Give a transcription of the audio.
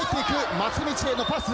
松道へのパス。